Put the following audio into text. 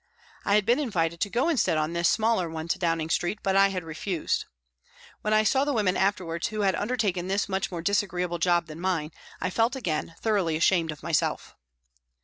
I had been invited to go instead on this smaller one to Downing Street, but I had refused. When I saw the women afterwards who had undertaken this much more disagreeable job than mine, I felt again thoroughly ashamed of myself.